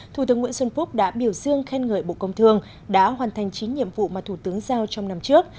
thủ tướng nguyễn xuân phúc đã biểu dương khen ngợi bộ công thương đã hoàn thành chín nhiệm vụ mà thủ tướng giao trong năm trước